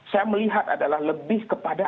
saya melihat adalah lebih kepada